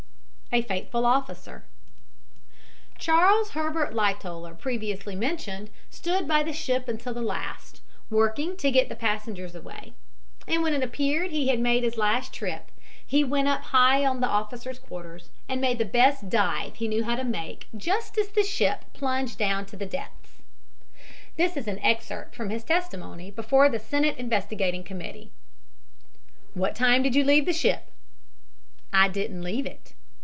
A FAITHFUL OFFICER Charles Herbert Lightoller, previously mentioned, stood by the ship until the last, working to get the passengers away, and when it appeared that he had made his last trip he went up high on the officers' quarters and made the best dive he knew how to make just as the ship plunged down to the depths. This is an excerpt from his testimony before the Senate investigating committee: "What time did you leave the ship?" "I didn't leave it."